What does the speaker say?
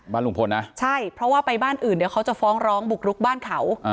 บ้านลุงพลนะใช่เพราะว่าไปบ้านอื่นเดี๋ยวเขาจะฟ้องร้องบุกรุกบ้านเขา